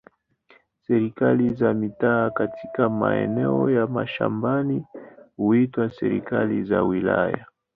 Serikali za mitaa katika maeneo ya mashambani huitwa serikali za wilaya.